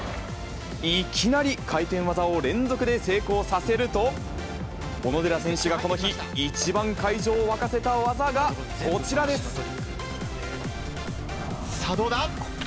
いきなり回転技を連続で成功させると、小野寺選手がこの日、一番会場を沸かせた技がこちらでさあ、どうだ？